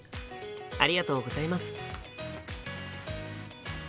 ありがとうございます。